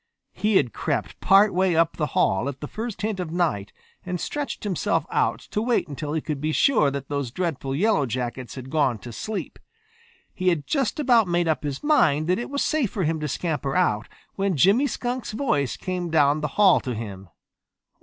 He had crept part way up the hall at the first hint of night and stretched himself out to wait until he could be sure that those dreadful Yellow Jackets had gone to sleep. He had just about made up his mind that it was safe for him to scamper out when Jimmy Skunk's voice came down the hall to him.